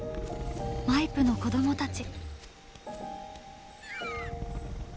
マイプの子どもたち。